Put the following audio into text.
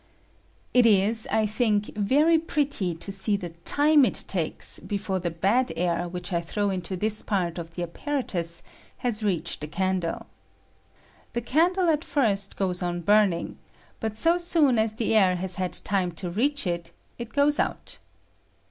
It is, I think, very pretty to see the time it takes before the bad air which 1 'throw into this part of the apparatus has reached the candle. The candle at first goes on burning, but so soon as the air has had time to reach it it goes out.